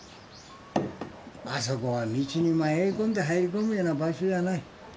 あそこは道に迷い込んで入り込むような場所じゃない。